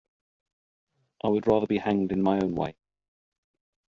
I would rather be hanged in my own way.